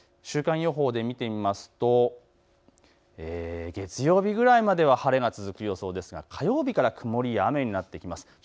週間予報で見てみますと月曜日くらいまでは晴れが続く予想ですが火曜日から曇りや雨になってきます。